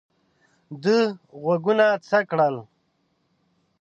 ده غوږونه څک کړل.